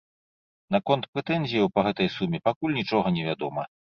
Наконт прэтэнзіяў па гэтай суме пакуль нічога не вядома.